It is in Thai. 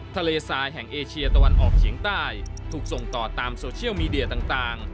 ทะเลทรายแห่งเอเชียตะวันออกเฉียงใต้ถูกส่งต่อตามโซเชียลมีเดียต่าง